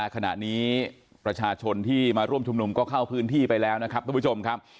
ขณะนี้ประชาชนที่มาร่วมชุมนุมก็เข้าพื้นที่ไปแล้วนะครับทุกผู้ชมครับ